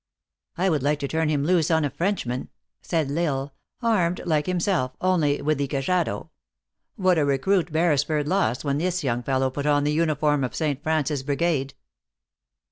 " I would like to turn him loose on a Frenchman," said L Isle, " armed, like himself, only with the ca jado. What a recruit Beresford lost when this young fellow put on the uniform of St. Francis brigade